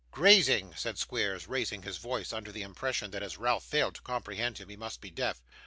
'Grazing,' said Squeers, raising his voice, under the impression that as Ralph failed to comprehend him, he must be deaf.